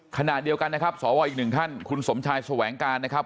ขณะเดียวกันนะครับสวอีกหนึ่งท่านคุณสมชายแสวงการนะครับ